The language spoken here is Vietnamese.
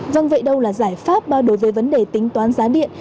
vâng vậy đâu là giải pháp đối với vấn đề tính toán giá điện